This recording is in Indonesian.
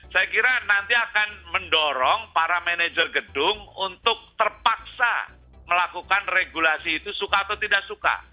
saya kira nanti akan mendorong para manajer gedung untuk terpaksa melakukan regulasi itu suka atau tidak suka